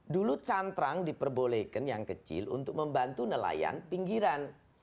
dulu cantrang diperbolehkan yang kecil untuk membantu nelayan pinggiran